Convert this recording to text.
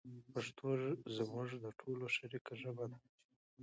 پښتو زموږ د ټولو شریکه ژبه ده.